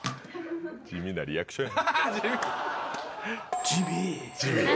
地味なリアクションや。